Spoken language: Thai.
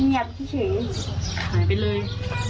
หายไปเลย